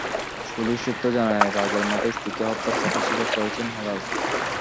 Police সূত্র জানায়, রাগের মাথায় স্ত্রীকে হত্যার কথা স্বীকার করেছেন হেলাল।